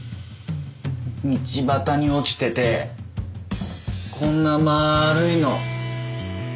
道端に落ちててこんなまるいの。